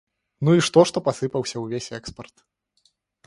Ну і што, што пасыпаўся ўвесь экспарт?